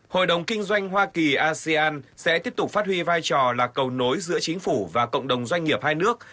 hội đồng kinh doanh hoa kỳ asean sẽ tiếp tục phát huy vai trò là cầu nối giữa chính phủ và cộng đồng doanh nghiệp hai nước